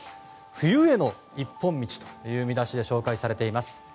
冬への一本道という見出しで紹介されています。